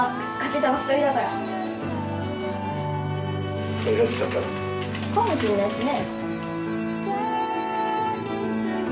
かもしれないですね。